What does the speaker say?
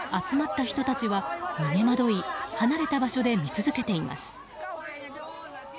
集まった人たちは逃げまどい離れた場所で見続けています。